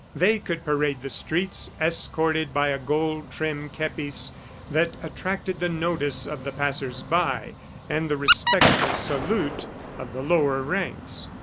They could parade the streets, escorted by a gold trimmed kepis that attracted the notice of the passers by and the respectful salute of the lower ranks.